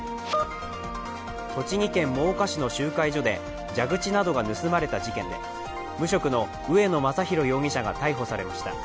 栃木県真岡市の集会所で蛇口などが盗まれた事件で無職の上野尚弘容疑者が逮捕されました。